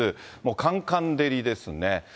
かんかん照りですね。